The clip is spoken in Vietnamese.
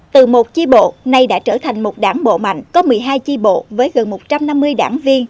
từ một chi bộ nay đã trở thành một đảng bộ mạnh có một mươi hai chi bộ với gần một trăm năm mươi đảng viên